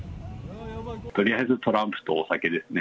とりあえずトランプとお酒ですね。